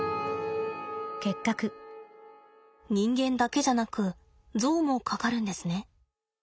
人間だけじゃなくゾウもかかるんですね。